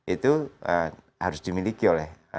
itu harus dimiliki oleh